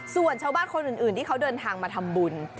ส่วนชาวบ้านคนอื่นที่เขาเดินทางมาทำบุญ